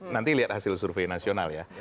nanti lihat hasil survei nasional ya